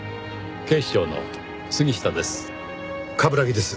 警視庁の杉下です。